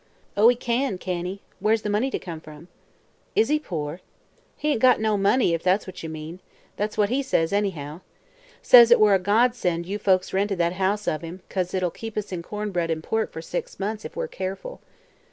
"Oh, he can, can he? Where's the money comin' from?" "Is he poor?" "He ain't got no money, if that's what ye mean. That's what he says, anyhow. Says it were a godsend you folks rented that house of him, 'cause it'll keep us in corn bread an' pork for six months, ef we're keerful.